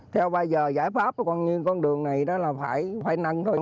theo ba giờ giải pháp con đường này là phải nâng thôi